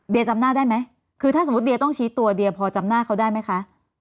จำหน้าได้ไหมคือถ้าสมมุติเดียต้องชี้ตัวเดียพอจำหน้าเขาได้ไหมคะ